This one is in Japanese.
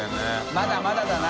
まだまだだな。